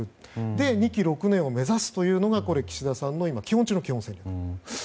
で、２期６年を目指すのが岸田さんの基本中の基本線だと。